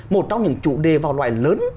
một trong những chủ đề vào loại lớn